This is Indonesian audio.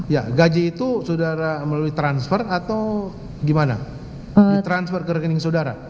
ya gaji itu saudara melalui transfer atau gimana ditransfer ke rekening saudara